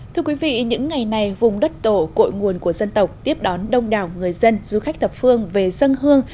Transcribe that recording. thưa quý vị những ngày này vùng đất tổ cội nguồn của dân tộc tiếp đón đông đảo người dân du khách thập phương về dân hương